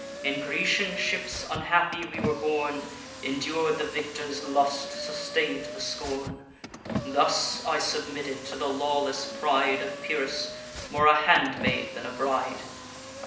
In Grecian ships unhappy we were borne, Endur'd the victor's lust, sustain'd the scorn: Thus I submitted to the lawless pride Of Pyrrhus, more a handmaid than a bride.